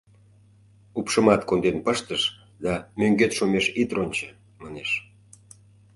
Упшымат конден пыштыш да «мӧҥгет шумеш ит рончо» манеш.